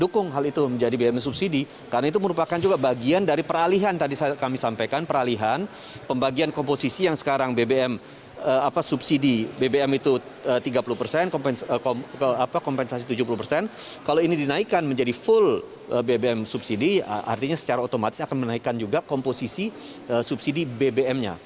kalau ini dinaikkan menjadi full bbm subsidi artinya secara otomatis akan menaikkan juga komposisi subsidi bbmnya